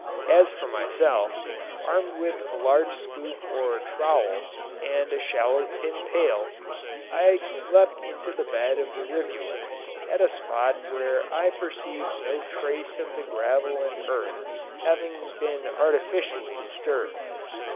As for myself, armed with a large scoop or trowel, and a shallow tin pail, I leapt into the bed of the rivulet, at a spot where I perceived no trace of the gravel and earth having been artificially disturbed.